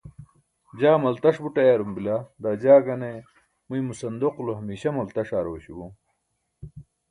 jaa maltaṣ but ayarum bila daa jaa gane muymo sandoqulo hamiśa maltaṣ aar oośu bom